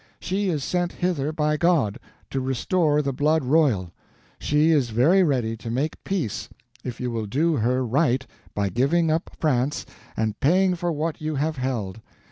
She is sent hither by God, to restore the blood royal. She is very ready to make peace if you will do her right by giving up France and paying for what you have held.